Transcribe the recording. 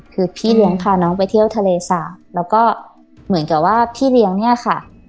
คือพี่เลี้ยงพาน้องไปเที่ยวทะเลสาบแล้วก็เหมือนกับว่าพี่เลี้ยงเนี่ยค่ะ